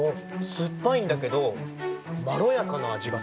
すっぱいんだけどまろやかなあじがする。